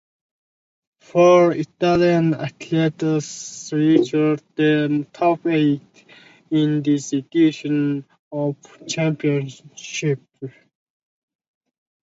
Four Italian athletes reached the top eight in this edition of the championships.